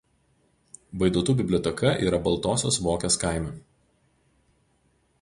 Vaidotų biblioteka yra Baltosios Vokės kaime.